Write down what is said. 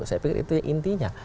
saya pikir itu intinya